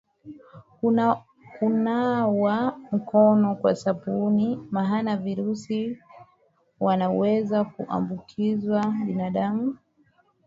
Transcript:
Kunawa mikono kwa sabuni maana virusi wanaweza kuambukiza binadamu